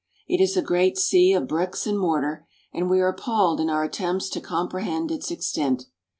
It is a great sea of bricks and mortar, and we are appalled in our attempts to comprehend its extent.